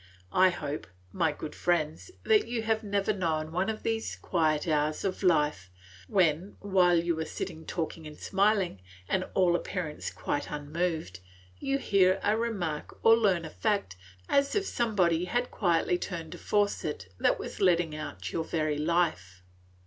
I hope, my good friends, that you have never known one of those quiet hours of life, when, while you are sitting talking and smiling, and to all appearance quite unmoved, you hear a remark or learn a fact that seems to operate on you as if somebody had quietly turned a faucet that was letting out your very life.